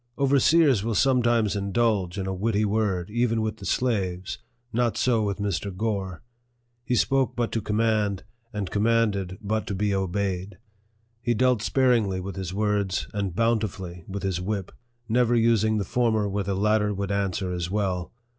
Overseers will sometimes indulge in a witty word, even with the slaves; not so with Mr. Gore. He spoke but to command, and commanded but to be obeyed ; he dealt sparingly with his words, and bountifully with his whip, never using the former where the latter would answer as well.